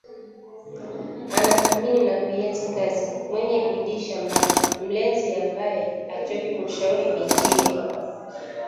Anathamini na kuienzi kazi, mwenye bidii shambani, mlezi ambaye hachoki kumshauri bintiye